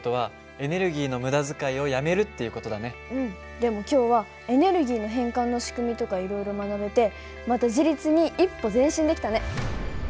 でも今日はエネルギーの変換の仕組みとかいろいろ学べてまた自立に一歩前進できたね。